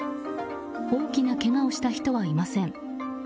大きなけがをした人はいません。